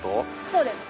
そうです。